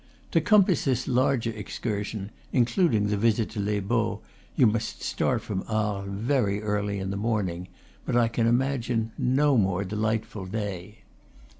To compass this larger excursion (including the visit to Les Baux) you must start from Arles very early in the morning; but I can imagine no more delightful day.